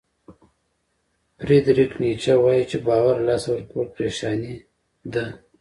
فریدریک نیچه وایي باور له لاسه ورکول پریشاني ده.